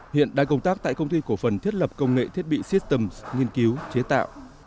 hiện đang công tác tại công ty cổ phần thiết lập công nghệ thiết bị systems nghiên cứu chế tạo